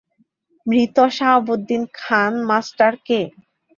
মৃত শাহাবুদ্দিন খান মাস্টার কে।